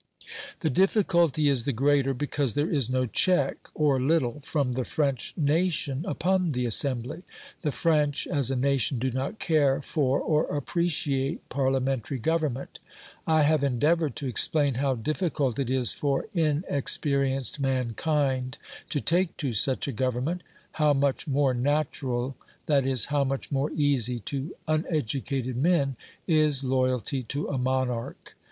The difficulty is the greater because there is no check, or little, from the French nation upon the Assembly. The French, as a nation, do not care for or appreciate Parliamentary government. I have endeavoured to explain how difficult it is for inexperienced mankind to take to such a government; how much more natural, that is, how much more easy to uneducated men is loyalty to a monarch.